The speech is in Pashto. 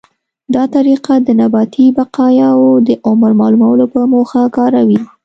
دا طریقه د نباتي بقایاوو د عمر معلومولو په موخه کاروي.